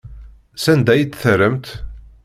Sanda ay t-terramt?